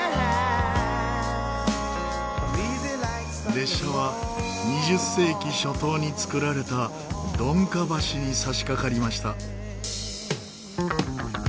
列車は２０世紀初頭に造られたドンカ橋に差し掛かりました。